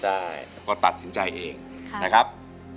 ใช่แล้วก็ตัดสินใจเองนะครับ